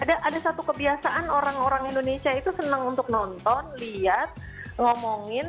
ada satu kebiasaan orang orang indonesia itu senang untuk nonton lihat ngomongin